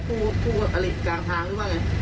คู่อลิสกลางทางหรือเปล่าไง